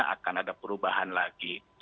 akan ada perubahan lagi